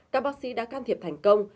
các bác sĩ đã can thiệp thành công